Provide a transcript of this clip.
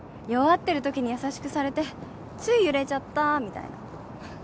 弱ってるときに優しくされてつい揺れちゃったみたいな。